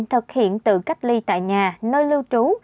thực hiện tự cách ly tại nhà nơi lưu trú